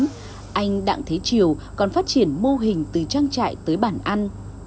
có mặt ở siêu thị uy tín anh đặng thế triều còn phát triển mô hình từ trang trại tới bản ăn